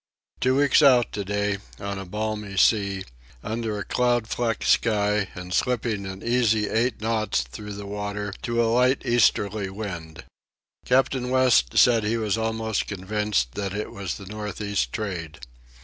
Two weeks out to day, on a balmy sea, under a cloud flecked sky, and slipping an easy eight knots through the water to a light easterly wind. Captain West said he was almost convinced that it was the north east trade.